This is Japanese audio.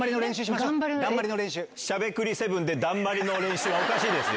しゃべくり００７でだんまりの練習はおかしいですよ。